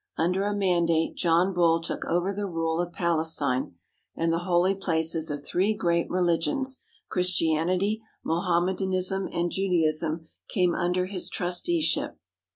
Under a mandate John Bull took over the rule of Palestine, and the holy places of three great religions, Christianity, Mohammedanism, and Juda ism, came under his trusteeship.